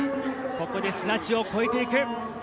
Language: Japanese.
ここで砂地を越えていく。